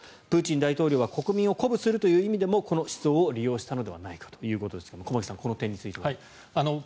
プーチン大統領は国民を鼓舞するという意味でもこの思想を利用したのではないかということですが駒木さん、この点については。